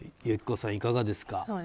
友紀子さん、いかがですか。